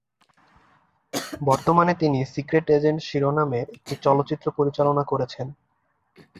বর্তমানে তিনি "secret agent" শিরোনামের একটি চলচ্চিত্র পরিচালনা করেছেন।